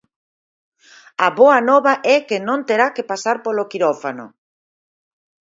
A boa nova é que non terá que pasar polo quirófano.